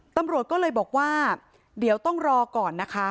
ตำรวจก็เลยบอกว่าเดี๋ยวต้องรอก่อนนะคะ